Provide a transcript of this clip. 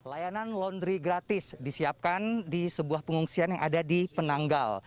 layanan laundry gratis disiapkan di sebuah pengungsian yang ada di penanggal